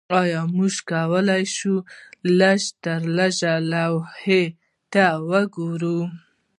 ایا موږ کولی شو لږترلږه لوحې ته وګورو